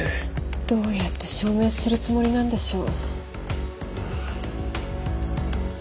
どうやって証明するつもりなんでしょう。